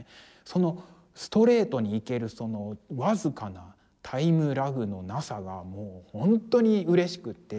そのストレートにいけるその僅かなタイムラグの無さがもう本当にうれしくって。